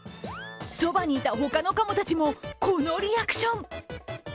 そばにいた他のカモたちも、このリアクション。